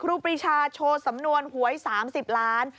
ครูปีชาโชว์สำนวนหวย๓๐ล้าน